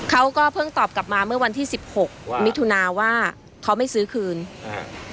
เขาก็เพิ่งตอบกลับมาเมื่อวันที่สิบหกมิถุนาว่าเขาไม่ซื้อคืนอ่า